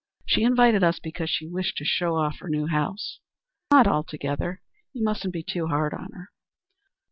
"She invited us because she wished to show off her new house." "Not altogether. You musn't be too hard on her."